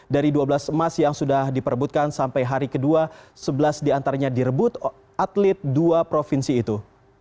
dari dua belas emas yang sudah diperebutkan sampai hari kedua sebelas diantaranya direbut atlet dua provinsi itu